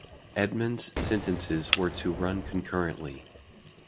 Edmond's sentences were to run concurrently.